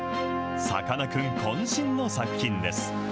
さかなクンこん身の作品です。